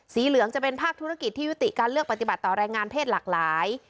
เหลืองจะเป็นภาคธุรกิจที่ยุติการเลือกปฏิบัติต่อแรงงานเพศหลากหลาย